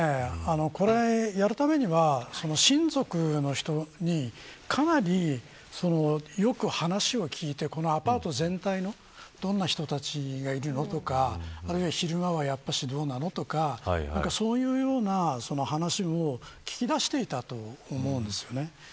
これをやるためには親族の人にかなりよく話を聞いてアパート全体のどんな人たちがいるのとか昼間は、どうなのとかそういうような話も聞き出していたと思うんです。